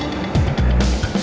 lo sudah bisa berhenti